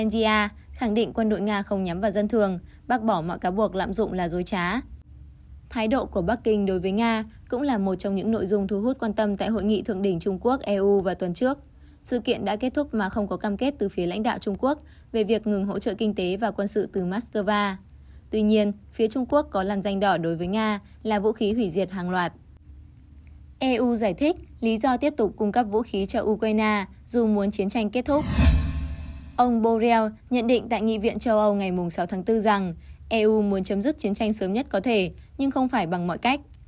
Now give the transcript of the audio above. nhận định tại nghị viện châu âu ngày sáu tháng bốn rằng eu muốn chấm dứt chiến tranh sớm nhất có thể nhưng không phải bằng mọi cách